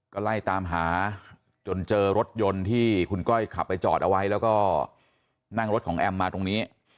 ก็ไล่ตามหาจนเจอรถยนต์ที่คุณก้อยขับไปจอดเอาไว้แล้วก็นั่งรถของแอมมาตรงนี้